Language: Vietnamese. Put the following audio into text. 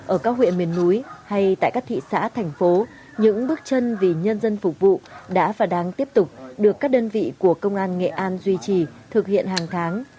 ở các huyện miền núi hay tại các thị xã thành phố những bước chân vì nhân dân phục vụ đã và đang tiếp tục được các đơn vị của công an nghệ an duy trì thực hiện hàng tháng